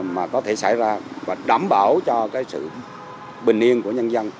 mà có thể xảy ra và đảm bảo cho cái sự bình yên của nhân dân